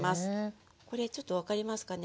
これちょっと分かりますかね。